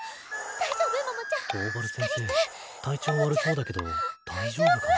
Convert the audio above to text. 体調悪そうだけど大丈夫かな？